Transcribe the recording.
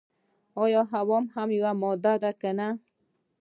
ایا هوا هم یوه ماده ده که نه.